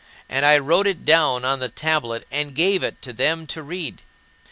And I wrote it down on the tablet and gave it to them to read.